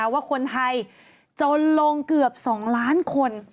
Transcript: ว่าคนไทยจนลงเกือบ๒ล้านคน